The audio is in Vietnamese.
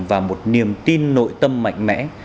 và một niềm tin nội tâm mạnh mẽ